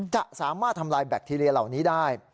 จะสามารถทำลายแบคทีเรียเหล่านี้ได้